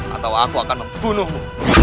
atau aku akan membunuhmu